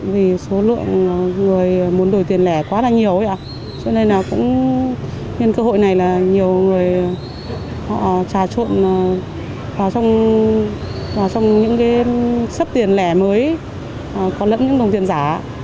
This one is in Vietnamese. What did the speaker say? vì số lượng người muốn đổi tiền lẻ quá là nhiều cho nên là cũng nên cơ hội này là nhiều người họ trà trộn vào trong những cái sấp tiền lẻ mới có lẫn những đồng tiền giả